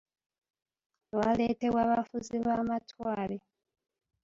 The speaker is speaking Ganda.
Lwaletebwa bafuzi b’Amatwale.